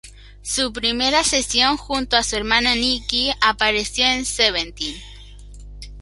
Su primera sesión junto a su hermana Niki apareció en "Seventeen".